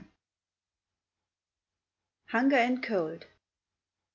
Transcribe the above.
HUNGER AND COLD.